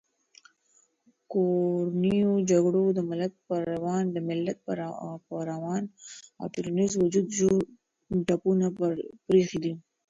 کورنیو جګړو د ملت پر روان او ټولنیز وجود ژور ټپونه پرېښي دي.